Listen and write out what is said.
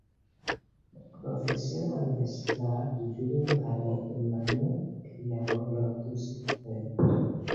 Profesional bezala hiruren garaipen baino gehiago lortu zituen.